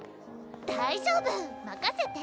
大丈夫！任せて！